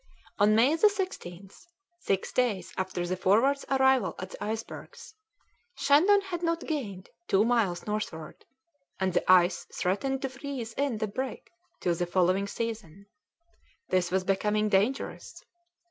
On May 16th, six days after the Forward's arrival at the icebergs, Shandon had not gained two miles northward, and the ice threatened to freeze in the brig till the following season. This was becoming dangerous.